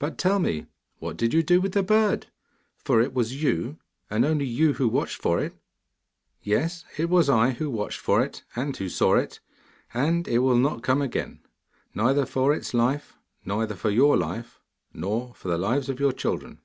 But, tell me, what did you do with the bird, for it was you, and you only who watched for it?' 'Yes, it was I who watched for it and who saw it. And it will not come again, neither for its life, nor for your life, nor for the lives of your children.